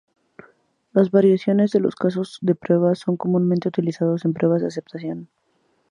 Las variaciones de los casos de prueba son comúnmente utilizados en pruebas de aceptación.